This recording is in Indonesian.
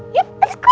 yuk let's go